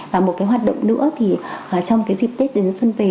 và một cái hoạt động nữa thì trong cái dịp tết đến xuân về